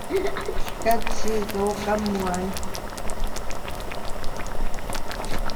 Ka chizawh ka muai.